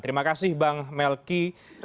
terima kasih bang melki